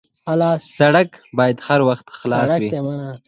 سړک باید هر وخت خلاص وي.